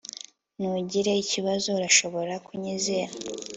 Ntugire ikibazo Urashobora kunyizera